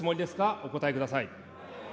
お答えください。